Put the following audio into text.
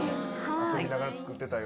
遊びながら作ってたような。